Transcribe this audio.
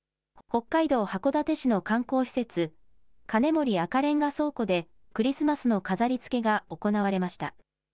北海道函館市の観光施設、金森赤レンガ倉庫でクリスマスの飾りつけが行われました。